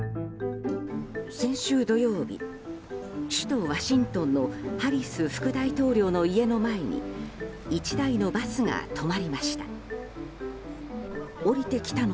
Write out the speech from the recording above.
先週土曜日、首都ワシントンのハリス副大統領の家の前に１台のバスが止まりました。